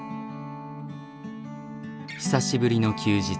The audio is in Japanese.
久しぶりの休日。